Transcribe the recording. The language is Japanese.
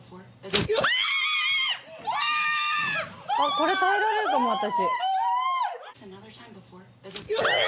これ、耐えられるかも、私。